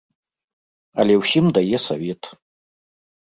Але ўсім дае савет.